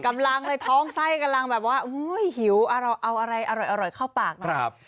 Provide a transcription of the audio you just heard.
กำลังเลยท้องไส้กำลังแบบว่าหิวเอาอะไรอร่อยเข้าปากนะครับ